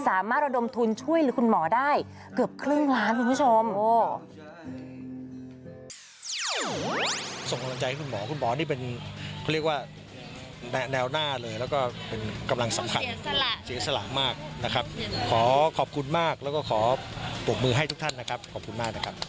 สามารถระดมทุนช่วยหรือคุณหมอได้เกือบครึ่งล้านคุณผู้ชม